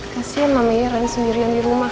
kasian mama iran sendirian di rumah